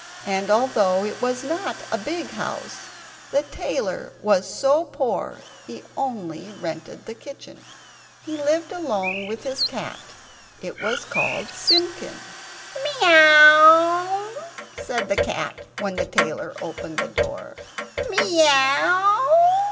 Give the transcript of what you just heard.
And although it was not a big house, the tailor was so poor he only rented the kitchen. He lived alone with his cat; it was called Simpkin. "Miaw?" said the cat when the tailor opened the door, "miaw?"